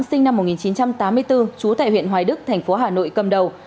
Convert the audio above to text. sinh năm một nghìn chín trăm tám mươi bốn trú tại huyện hoài đức thành phố hà nội cầm đầu